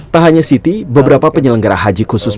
tak hanya siti beberapa penyelenggara haji khusus